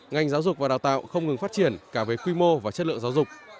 ngành giáo dục và đào tạo không ngừng phát triển cả về quy mô và chất lượng giáo dục